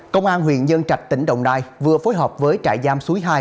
công an huyện nhân trạch tỉnh đồng nai vừa phối hợp với trại giam suối hai